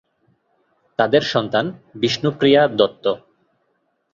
তাদের সন্তান বিষ্ণুপ্রিয়া দত্ত।